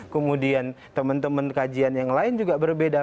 kemudian teman teman kajian yang lain juga berbeda